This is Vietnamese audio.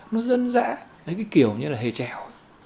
nó dân dã cái kiểu như là hề trèo